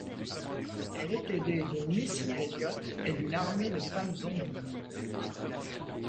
Elle est aidée de Missy Elliott et d'une armée de femmes zombies.